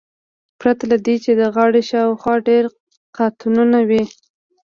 پرته له دې چې د غاړې شاوخوا ډیر قاتونه وي